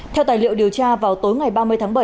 theo tài liệu điều tra vào tối ngày ba mươi tháng bảy